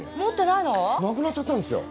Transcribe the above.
なくなっちゃったんですよ。